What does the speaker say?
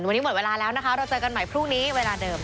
วันนี้หมดเวลาแล้วนะคะเราเจอกันใหม่พรุ่งนี้เวลาเดิม